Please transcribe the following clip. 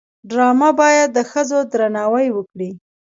ډرامه باید د ښځو درناوی وکړي